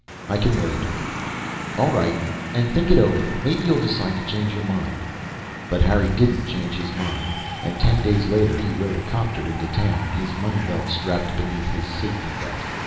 "I can wait." "All right. And think it over. Maybe you'll decide to change your mind." But Harry didn't change his mind. And ten days later he rode a 'copter into town, his money belt strapped beneath his safety belt.